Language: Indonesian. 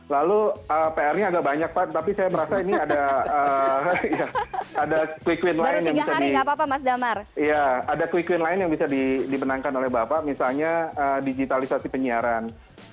lalu pr nya agak banyak pak tapi saya merasa ini ada ada quick win lain yang bisa dibenangkan oleh bapak misalnya digitalisasi penyiaran